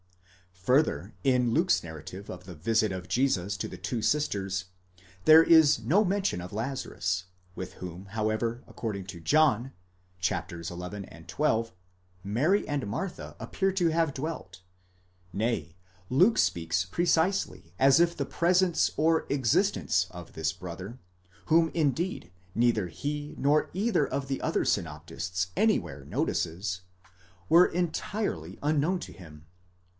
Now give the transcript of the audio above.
Further, in Luke's narrative of the visit of Jesus to the two sisters, there is no mention of Lazarus, with whom, however, according to John (xi. and xii.), Mary and Martha appear to have dwelt ; nay, Luke speaks precisely as if the presence or existence of this brother, whom indeed neither he nor either of the other synoptists anywhere notices, were entirely unknown to him.